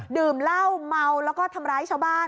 ดื่มเหล้าเมาแล้วก็ทำร้ายชาวบ้าน